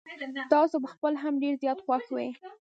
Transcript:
تاسو په خپله هم ډير زيات خوښ وې.